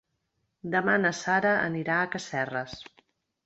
Demà na Sara anirà a Casserres.